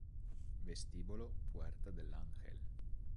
Vestibolo Puerta del Ángel